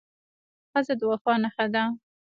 ښځه د وفا نښه ده.